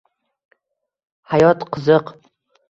Hayot – qiziq.